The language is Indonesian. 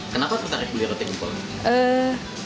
kenapa tertarik beli roti gempol